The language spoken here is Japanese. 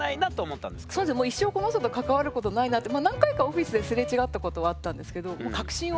そうですねもう一生この人と関わることないなってまあ何回かオフィスですれ違ったことはあったんですけど。